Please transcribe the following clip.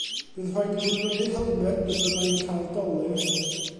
Bydd rhaid i fi brynu helmed neu bydda i'n cael dolur.